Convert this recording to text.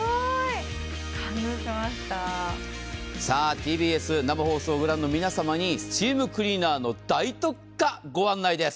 ＴＢＳ生放送を御覧の皆様にスチームクリーナーの大特価、御案内です。